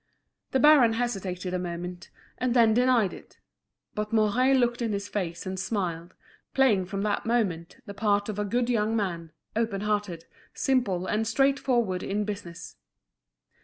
The baron hesitated a moment, and then denied it. But Mouret looked in his face and smiled, playing from that moment, the part of a good young man, open hearted, simple, and straightforward in business.